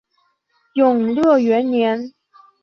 永乐元年。